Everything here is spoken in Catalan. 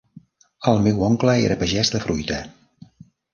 El meu oncle era pagès de fruita.